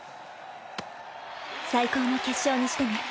最高の決勝にしてね。